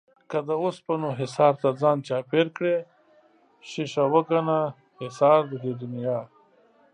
که د اوسپنو حِصار تر ځان چاپېر کړې ښيښه وگڼه حِصار د دې دنيا